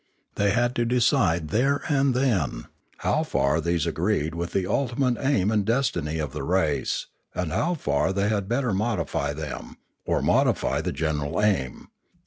They had to decide there and then how far these agreed with the ultimate aim and destiny of the race, and how far they had better modify them, or modify the general aim.